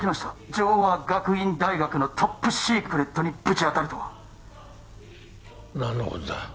城和学院大学のトップシークレットにぶちあたるとは何のことだ